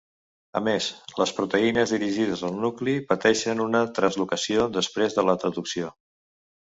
A més, les proteïnes dirigides al nucli pateixen una translocació després de la traducció.